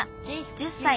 １０歳。